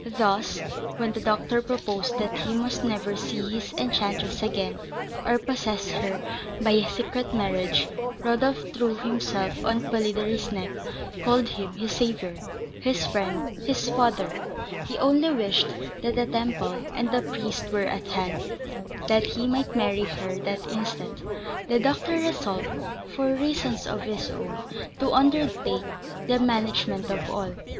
Thus, when the doctor proposed that he must never see his enchantress again, or possess her by a secret marriage, Rodolph threw himself on Polidori's neck, called him his saviour, his friend, his father; he only wished that the temple and the priest were at hand, that he might marry her that instant. The doctor resolved (for reasons of his own) to undertake the management of all.